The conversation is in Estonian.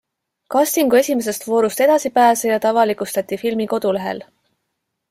Castingu esimesest voorust edasipääsejad avalikustati filmi kodulehel.